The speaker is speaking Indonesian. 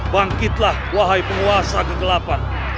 bangkitlah wahai penguasa kegelapan